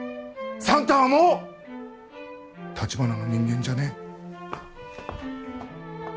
算太はもう橘の人間じゃねえ。